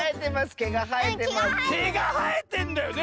けがはえてんのよね。